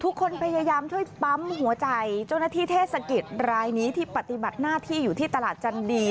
พยายามช่วยปั๊มหัวใจเจ้าหน้าที่เทศกิจรายนี้ที่ปฏิบัติหน้าที่อยู่ที่ตลาดจันดี